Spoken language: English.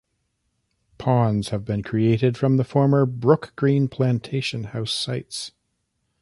Ponds have been created from the former 'Brookgreen' plantation house sites.